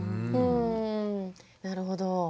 うんなるほど。